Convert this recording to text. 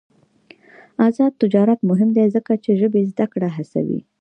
آزاد تجارت مهم دی ځکه چې ژبې زدکړه هڅوي.